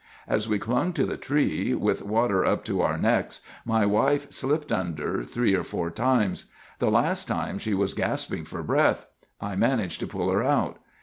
"As we clung to the tree, with water up to our necks, my wife slipped under three or four times. The last time she was gasping for breath, I managed to pull her out.